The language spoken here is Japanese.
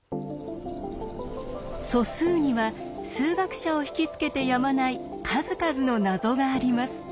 素数には数学者を引き付けてやまない数々の謎があります。